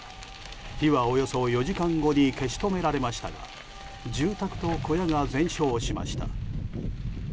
火はおよそ４時間後に消し止められましたが住宅と小屋が全焼しました。